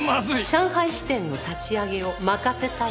上海支店の立ち上げを任せたい。